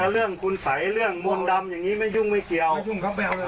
เรื่องคุณสัยเรื่องมนต์ดำอย่างนี้ไม่ยุ่งไม่เกี่ยวไม่ยุ่งเขาไม่เอาเลย